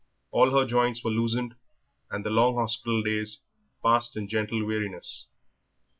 All her joints were loosened, and the long hospital days passed in gentle weariness.